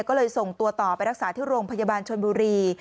ก็เลยส่งตัวต่อไปรักษาที่โรงพยาบาลชนบุรี